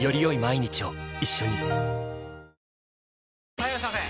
・はいいらっしゃいませ！